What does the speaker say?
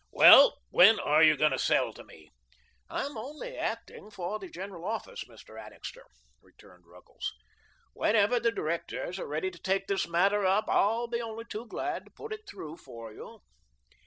"Well, when are you going to sell to me?" "I'm only acting for the General Office, Mr. Annixter," returned Ruggles. "Whenever the Directors are ready to take that matter up, I'll be only too glad to put it through for you."